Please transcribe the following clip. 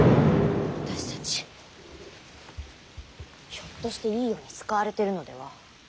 私たちひょっとしていいように使われてるのでは？